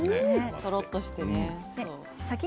とろっとしてね。